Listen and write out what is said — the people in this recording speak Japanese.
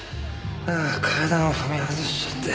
ああ階段を踏み外しちゃって。